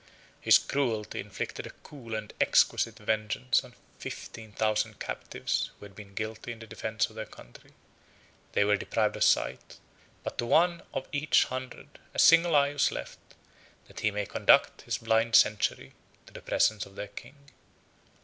His cruelty inflicted a cool and exquisite vengeance on fifteen thousand captives who had been guilty of the defence of their country. They were deprived of sight; but to one of each hundred a single eye was left, that he might conduct his blind century to the presence of their king.